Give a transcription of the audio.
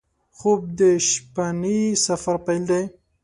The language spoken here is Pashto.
خوب د شپهني سفر پیل دی